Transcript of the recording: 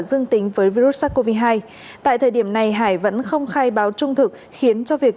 dương tính với virus sars cov hai tại thời điểm này hải vẫn không khai báo trung thực khiến cho việc